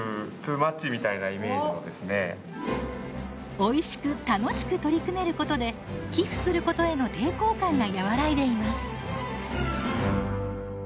おいしく楽しく取り組めることで寄付することへの抵抗感が和らいでいます。